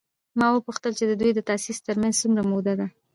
ما وپوښتل چې د دوی د تاسیس تر منځ څومره موده وه؟